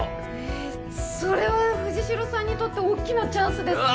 えそれは藤代さんにとって大きなチャンスですね。